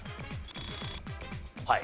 はい。